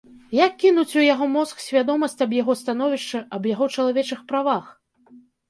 Як кінуць у яго мозг свядомасць аб яго становішчы, аб яго чалавечых правах?